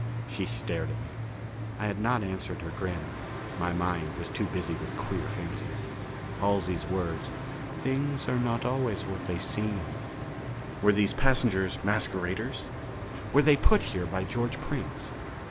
She stared at me. I had not answered her grin; my mind was too busy with queer fancies. Halsey's words: "Things are not always what they seem " Were these passengers masqueraders? Were they put here by George Prince?